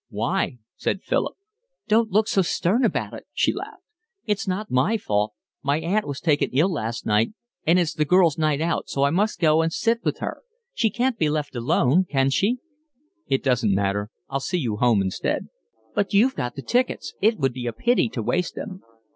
"Why?" said Philip. "Don't look so stern about it," she laughed. "It's not my fault. My aunt was taken ill last night, and it's the girl's night out so I must go and sit with her. She can't be left alone, can she?" "It doesn't matter. I'll see you home instead." "But you've got the tickets. It would be a pity to waste them."